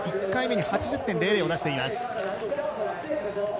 １回目に８０．００を出しています。